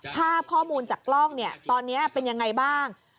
ภาพข้อมูลจากกล้องเนี่ยตอนนี้เป็นยังไงบ้าง